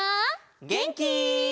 げんき？